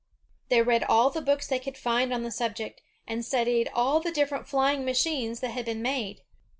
They read all the books they could find on the subject, and studied all the different flying machines that had been made.